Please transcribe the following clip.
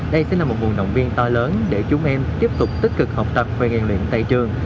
đây sẽ là một nguồn động viên to lớn để chúng em tiếp tục tích cực học tập và rèn luyện tại trường